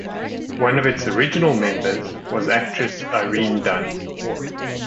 One of its original members was actress Irene Dunne.